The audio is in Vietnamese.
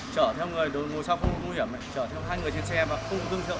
chở theo người ngồi sau không được mũ hiểm chở theo hai người trên xe và không dưng chậu